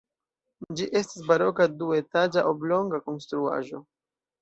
Ĝi estas baroka duetaĝa oblonga konstruaĵo.